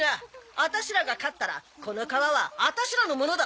アタシらが勝ったらこの川はアタシらのものだ！